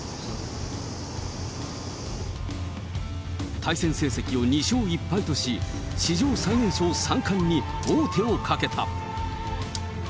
対戦成績を２勝１敗とし、史上最年少三冠に王手をかけた。